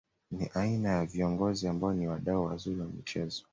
Ni aina ya viongozi ambao ni wadau wazuri wa michezo